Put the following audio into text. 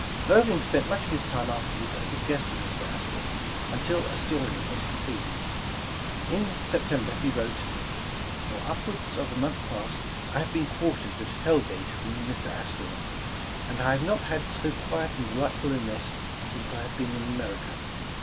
Irving spent much of his time after this as a guest 287 The Original John Jacob Astor of Mr. Astor, until "Astoria" was completed. In Sep tember, he wrote: "For upwards of a month past I have been quar tered at Hell Gate with Mr. Astor, and I have not had so quiet and delightful a nest since I have been in America.